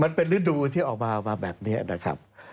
มันเป็นฤดูที่ออกมามาแบบนี้นะครับ